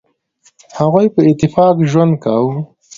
هغوی په اتفاق ژوند کاوه.